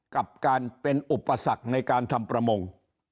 กับการเป็นอุปสรรคในการทำประมง